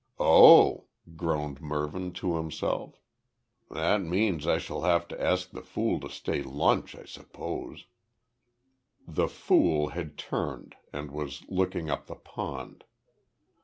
"Oh," groaned Mervyn to himself. "That means I shall have to ask the fool to stay lunch, I suppose." "The fool" had turned, and was looking up the pond.